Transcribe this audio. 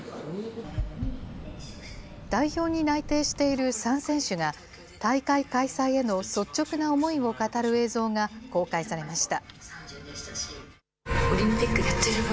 代表に内定している３選手が、大会開催への率直な思いを語る映像が公開されました。